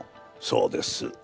そうです。